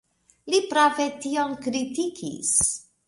Li prave tion kritikis.